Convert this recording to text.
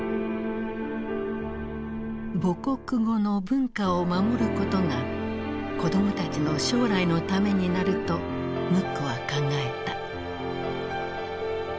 母国語の文化を守ることが子供たちの将来のためになるとムックは考えた。